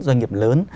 doanh nghiệp lớn